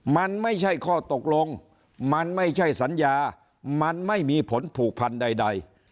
มันไม่ใช่ข้อตกลงมันไม่ใช่สัญญามันไม่มีผลผูกพันใด